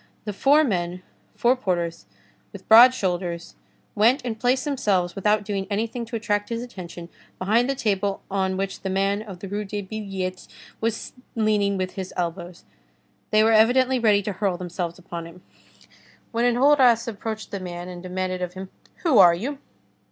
The four men, four porters with broad shoulders, went and placed themselves without doing anything to attract his attention, behind the table on which the man of the Rue des Billettes was leaning with his elbows. They were evidently ready to hurl themselves upon him. Then Enjolras approached the man and demanded of him:— "Who are you?"